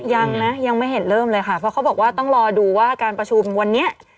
ยังนะยังไม่เห็นเริ่มเลยค่ะเพราะเขาบอกว่าต้องรอดูว่าการประชุมวันนี้